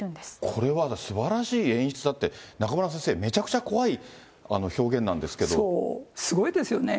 これがすばらしい演出だって、中村先生、めちゃくちゃ怖い表現そう、すごいですよね。